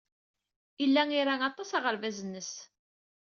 Yella ira aṭas aɣerbaz-nnes.